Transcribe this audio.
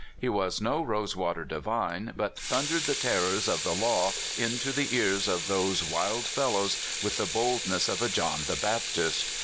He was no rose water divine, but thundered the terrors of the law into the ears of those wild fellows with the boldness of a John the Baptist.